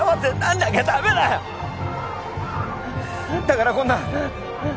だからこんな。